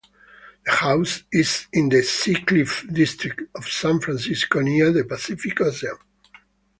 The house is in the Seacliff District of San Francisco near the Pacific Ocean.